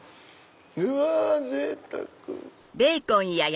うわぜいたく！